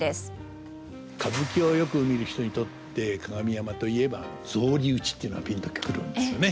歌舞伎をよく見る人にとって「加賀見山」といえば「草履打ち」っていうのがピンと来るんですよね。